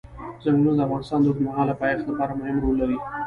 ځنګلونه د افغانستان د اوږدمهاله پایښت لپاره مهم رول لري.